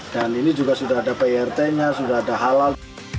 dan ini juga sudah ada prt nya sudah ada halal